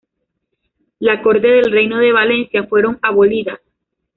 La Cortes del Reino de Valencia fueron abolidas.